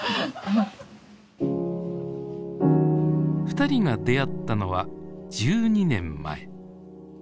ふたりが出会ったのは１２年前。